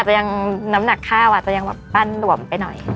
จะยังน้ำหนักข้าวอาจจะยังแบบปั้นหลวมไปหน่อย